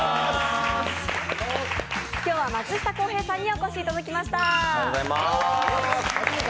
今日は松下洸平さんにお越しいただきました。